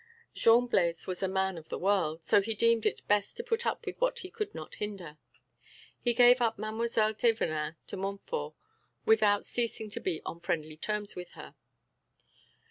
Jean Blaise was a man of the world, so he deemed it best to put up with what he could not hinder; he gave up Mademoiselle Thévenin to Montfort without ceasing to be on friendly terms with her.